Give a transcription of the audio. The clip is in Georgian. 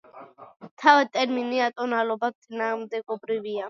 თავად ტერმინი „ატონალობა“ წინააღმდეგობრივია.